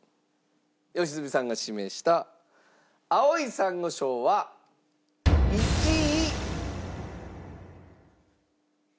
良純さんが指名した『青い珊瑚礁』は１位。